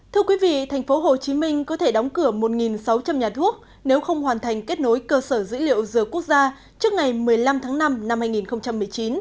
thưa quý vị thành phố hồ chí minh có thể đóng cửa một sáu trăm linh nhà thuốc nếu không hoàn thành kết nối cơ sở dữ liệu giữa quốc gia trước ngày một mươi năm tháng năm năm hai nghìn một mươi chín